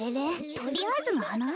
とりあえずのはな？